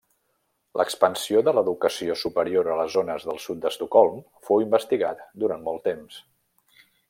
L'expansió de l'educació superior a les zones del sud d'Estocolm fou investigat durant molt temps.